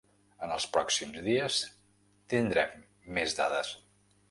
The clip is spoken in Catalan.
En els pròxims dies tindrem més dades.